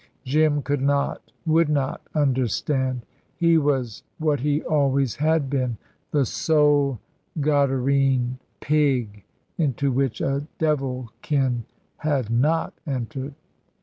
Jim could not, would not understand. He was what he always had been the sole Gadarene pig into which a devilkin had not entered.